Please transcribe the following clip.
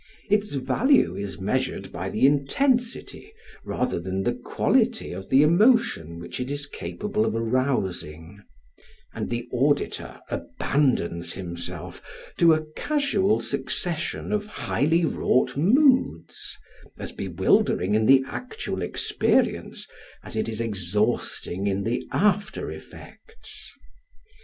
Its value is measured by the intensity rather than the quality of the emotion which it is capable of arousing; and the auditor abandons himself to a casual succession of highly wrought moods as bewildering in the actual experience as it is exhausting in the after effects.